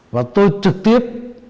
và tôi trực tiếp